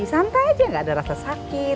disantai aja nggak ada rasa sakit